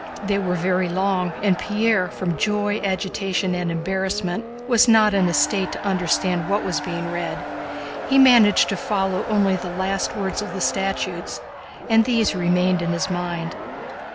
They were very long, and Pierre, from joy, agitation, and embarrassment, was not in a state to understand what was being read. He managed to follow only the last words of the statutes and these remained in his mind.